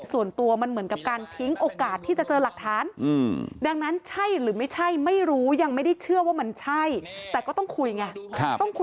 ส่วนตัวมันเหมือนกับการทิ้งโอกาสที่จะเจอหลักฐาน